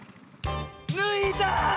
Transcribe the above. ぬいだ！